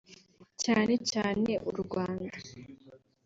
cyane cyane u Rwanda